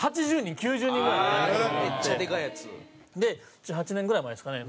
７８年ぐらい前ですかね。